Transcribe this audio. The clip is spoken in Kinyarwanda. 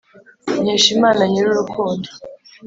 nkesha imana nyir' urukundo